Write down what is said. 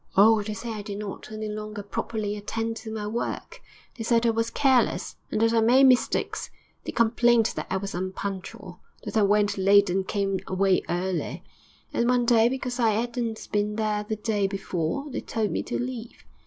'Oh, they said I did not any longer properly attend to my work. They said I was careless, and that I made mistakes; they complained that I was unpunctual, that I went late and came away early; and one day, because I 'adn't been there the day before, they told me to leave.